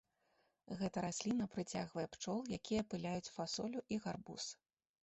Гэта расліна прыцягвае пчол, якія апыляюць фасолю і гарбуз.